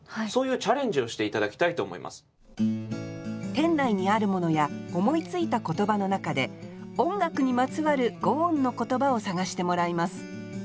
店内にあるものや思いついた言葉の中で音楽にまつわる「五音」の言葉を探してもらいます